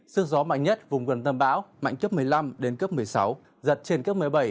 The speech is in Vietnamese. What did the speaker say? sức gió mạnh nhất vùng gần tâm bão mạnh cấp một mươi năm đến cấp một mươi sáu giật trên cấp một mươi bảy